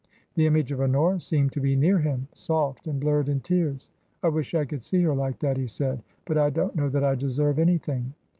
The image of Honora seemed to be near him, soft, and blurred in tears. " I wish I could see her like that," he said ;" but I don't know that I deserve anything."